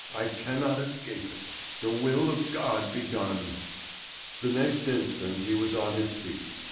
I cannot escape it. The will of God be done." The next instant he was on his feet.